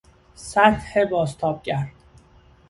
سطح بازتابگر